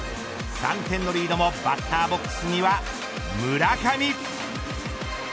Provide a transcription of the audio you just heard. ３点のリードもバッターボックスには村上。